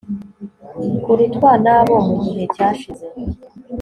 kurutwa nabo mu gihe cyashize